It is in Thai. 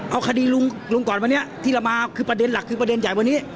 เอาคดีลุงลุงก่อนวันนี้ที่เรามาคือประเด็นหลักคือประเด็นใหญ่วันนี้